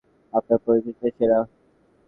বুঝলাম, captain Prescott, আপনার পদ্ধতিটাই সেরা।